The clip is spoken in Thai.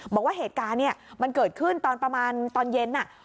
บอกว่าเหตุการณ์เนี่ยมันเกิดขึ้นตอนประมาณตอนเย็นน่ะ